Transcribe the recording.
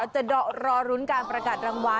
จะรอรุ้นการประกาศรางวัล